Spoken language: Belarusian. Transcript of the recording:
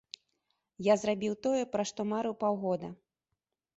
Я зрабіў тое, пра што марыў паўгода.